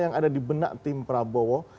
yang ada di benak tim prabowo